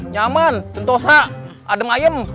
nyaman sentosa adem ayem